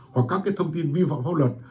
hoặc các cái thông tin vi phạm pháp luật